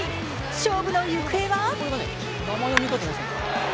勝負の行方は？